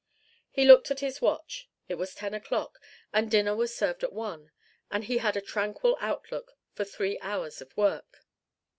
He looked at his watch. It was ten o'clock, and dinner was served at one, and he had a tranquil outlook for three hours of work.